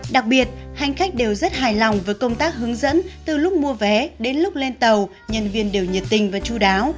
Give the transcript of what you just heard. đặc biệt hành khách đều rất hài lòng với công tác hướng dẫn từ lúc mua vé đến lúc lên tàu nhân viên đều nhiệt tình và chú đáo